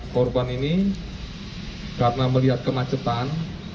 korban ini karena melihat kemacetan